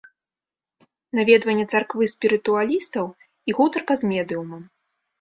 Наведванне царквы спірытуалістаў і гутарка з медыумам.